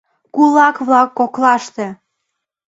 КУЛАК-ВЛАК КОКЛАШТЕ